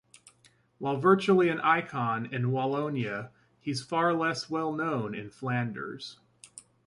While virtually an icon in Wallonia he's far less well known in Flanders.